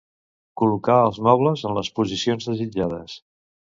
Col·locar els mobles en les posicions desitjades